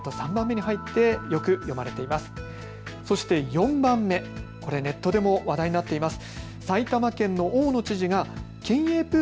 ４番目、これ、ネットでも話題になっています。